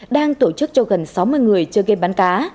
đang tổ chức cho gần sáu mươi người chơi game bắn cá